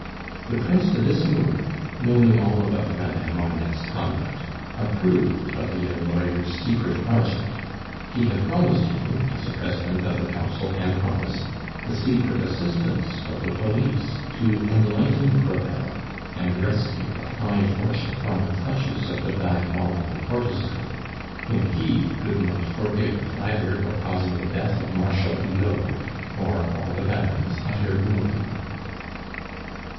The Prince de Wissembourg, knowing all about Madame Marneffe's conduct, approved of the young lawyer's secret project; he had promised him, as a President of the Council can promise, the secret assistance of the police, to enlighten Crevel and rescue a fine fortune from the clutches of the diabolical courtesan, whom he could not forgive either for causing the death of Marshal Hulot or for the Baron's utter ruin.